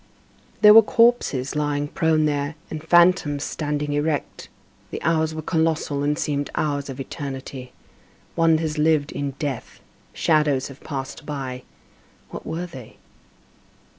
There were corpses lying prone there, and phantoms standing erect. The hours were colossal and seemed hours of eternity. One has lived in death. Shadows have passed by. What were they?